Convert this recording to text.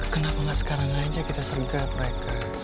kenapa ga sekarang aja kita sergap reka